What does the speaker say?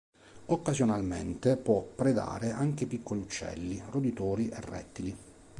Occasionalmente può predare anche piccoli uccelli, roditori e rettili.